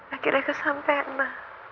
akhirnya kesampe emma